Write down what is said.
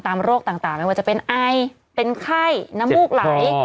ตามโรคต่างว่าจะเป็นอายเป็นไข้น้ำมูกไหล